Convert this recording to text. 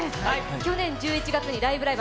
去年１１月に「ライブ！